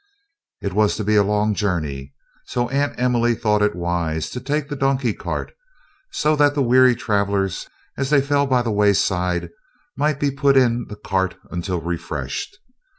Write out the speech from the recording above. It was to be a long journey, so Aunt Emily thought it wise to take the donkey cart, so that the weary travelers, as they fell by the wayside, might be put in the cart until refreshed.